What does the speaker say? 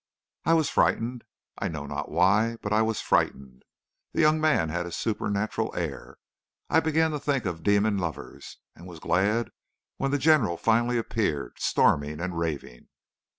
"I was frightened I know not why, but I was frightened. The young man had a supernatural air. I began to think of demon lovers, and was glad when the general finally appeared, storming and raving.